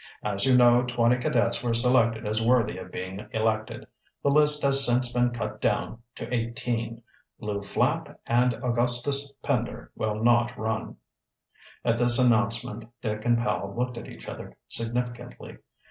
"As you know, twenty cadets were selected as worthy of being elected. The list has since been cut down to eighteen. Lew Flapp and Augustus Pender will not run." At this announcement Dick and Powell looked at each other significantly.